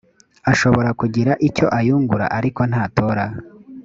ashobora kugira icyo ayungura ariko ntatora